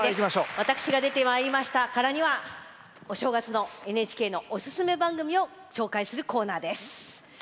私が出てまいりましたからにはお正月のＮＨＫのオススメ番組を紹介するコーナーです。